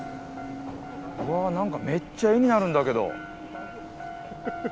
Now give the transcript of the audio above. わ何かめっちゃ絵になるんだけど。